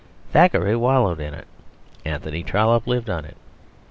Thackeray wallowed in it; Anthony Trollope lived on it.